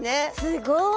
すごい！